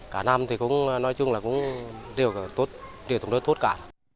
cả năm thì cũng nói chung là cũng đều tốt đều thống đất tốt cả